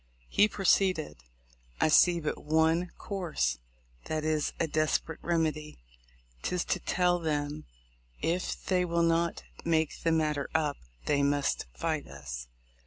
He proceeded: "I see but one course — that is a desperate remedy: 'tis to tell them, if they will not make the matter up, they must fight us."